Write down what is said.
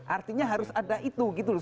artinya harus ada itu gitu loh